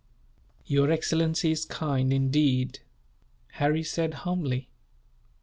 "Your excellency is kind, indeed," Harry said, humbly.